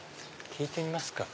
聞いてみますか。